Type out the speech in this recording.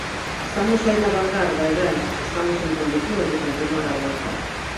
Estamos aí na vangarda e ben, estamos en condicións de continuar a avanzar.